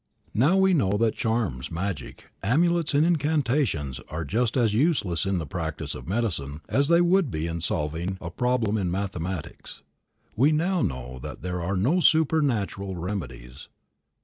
Now we know that charms, magic, amulets and incantations are just as useless in the practice of medicine as they would be in solving a problem in mathematics. We now know that there are no supernatural remedies.